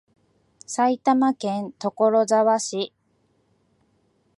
埼玉県所沢市